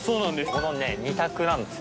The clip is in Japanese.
このね２択なんですよ